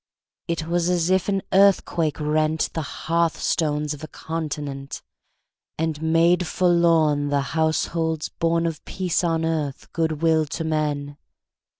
It was as if an earthquake rent The hearth stones of a continent, And made forlorn The households born Of peace on earth, good will to men!